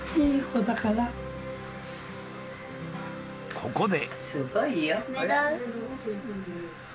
ここで。